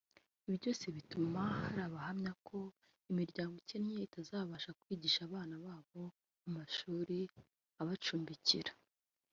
Ibi byose bituma hari abahamya ko imiryango ikennye itazabasha kwigisha abana babo mu mashuri abacumbikira